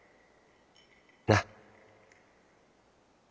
なっ？